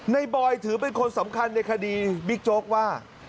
บอยถือเป็นคนสำคัญในคดีบิ๊กโจ๊กว่า